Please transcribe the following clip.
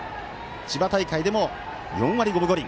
千葉大会でも４割５分５厘。